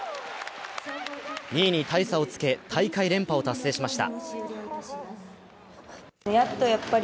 ２位に大差をつけ大会連覇を達成しました。